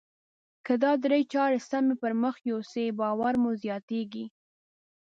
که دا درې چارې سمې پر مخ يوسئ باور مو زیاتیږي.